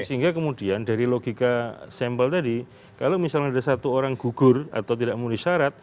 sehingga kemudian dari logika sampel tadi kalau misalnya ada satu orang gugur atau tidak memenuhi syarat